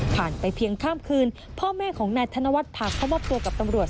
ไปเพียงข้ามคืนพ่อแม่ของนายธนวัฒน์พาเข้ามอบตัวกับตำรวจ